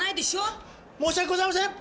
申し訳ございません！